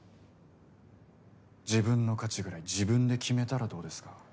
自分の価値ぐらい自分で決めたらどうですか？